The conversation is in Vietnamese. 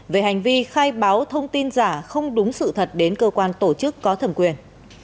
về hành vi khai báo thông tin giả không đúng sự thật đến cơ quan tổ chức có thẩm quyền